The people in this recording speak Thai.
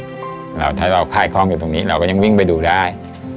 แล้วถ้าเราค่ายคล่องอยู่ตรงนี้เราก็ยังวิ่งไปดูได้